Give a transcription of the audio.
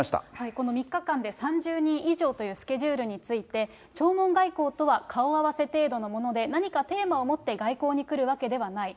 この３日間で３０人以上というスケジュールについて、弔問外交とは顔合わせ程度のもので、何かテーマを持って外交に来るわけではない。